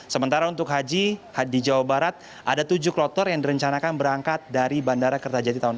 sementara untuk haji di jawa barat ada tujuh kloter yang direncanakan berangkat dari bandara kertajati tahun dua ribu